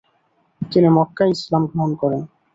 তিনি মক্কায় ইসলাম গ্রহণ করেন।